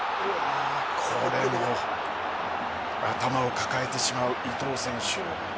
これも頭を抱えてしまう伊東選手。